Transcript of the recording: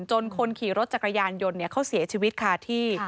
คนขี่รถจักรยานยนต์เขาเสียชีวิตคาที่